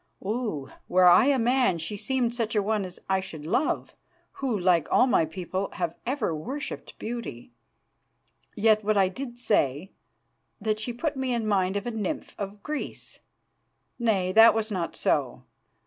Oh! were I a man she seemed such a one as I should love, who, like all my people, have ever worshipped beauty. Yet, what did I say, that she put me in mind of a nymph of Greece. Nay, that was not so.